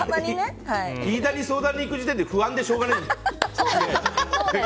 飯田に相談に行く時点で不安でしょうがないよ。